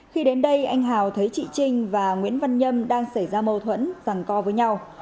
khi đến đây anh hào thấy chị trinh và nguyễn văn nhâm đang xảy ra mâu thuẫn rằng co với nhau